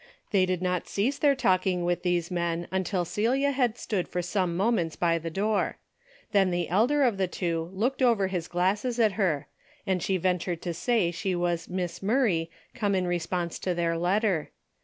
They did not cease their talking with these men until Celia had stood for some moments by the door. Then the elder of the two looked over his glasses at her, and she ven tured to say she was Miss Murray come in re sponse to their letter.